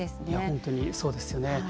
本当にそうですよね。